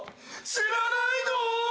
知らないの！？